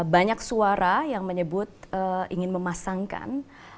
banyak suara yang menyebut ingin memasangkan